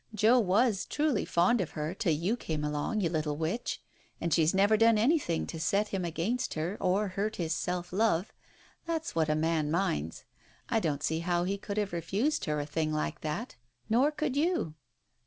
Joe was truly fond of her till you came along, you little witch ! And she's never done anything to set him against her or hurt his self love. That's what a man minds. I don't see how he could have refused her a thing like that, nor could you.